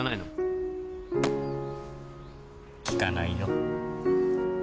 聞かないよ。